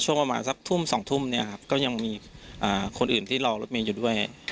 วันศัพท์ถุ้มสองถุ้มนะครับก็ยังมีคนอื่นที่รอรถเมย์อยู่ด้วย